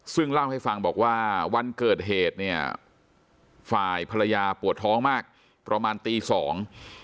ซึ่งเล่าให้ฟังบอกว่าวันเกิดเหตุเนี่ยฝ่ายภรรยาปวดท้องมากประมาณตีสอง